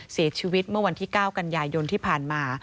เสียชีวิตเมื่อวันที่๙กันยายนที่ผ่านมา